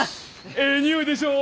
えい匂いでしょう？